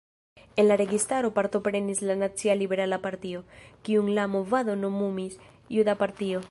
En la registaro partoprenis la Nacia Liberala Partio, kiun la movado nomumis „Juda partio“.